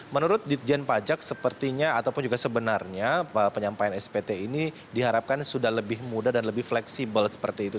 menurut ditjen pajak sepertinya ataupun juga sebenarnya penyampaian spt ini diharapkan sudah lebih mudah dan lebih fleksibel seperti itu